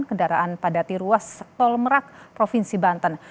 kendaraan padati ruas tol merak provinsi banten